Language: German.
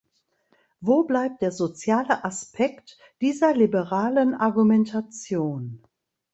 Wo bleibt der soziale Aspekt dieser liberalen Argumentation?